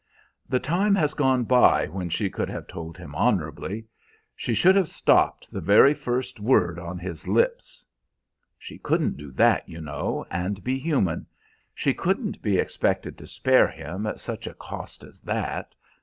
"The time has gone by when she could have told him honorably. She should have stopped the very first word on his lips." "She couldn't do that, you know, and be human. She couldn't be expected to spare him at such a cost as that.